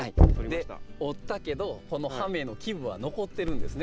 折ったけどこの葉芽の基部は残ってるんですね